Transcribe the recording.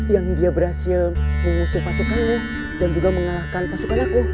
yang dia berhasil mengusir pasukanmu dan juga mengalahkan pasukan aku